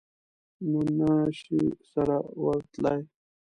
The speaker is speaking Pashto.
نو نه شي سره ورتلای.